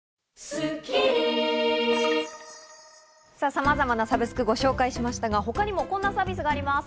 さまざまなサブスクをご紹介しましたが他にもこんなサービスがあります。